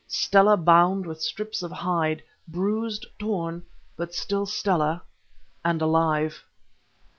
Stella bound with strips of hide, bruised, torn, but still Stella, and alive.